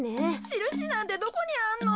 しるしなんてどこにあんの？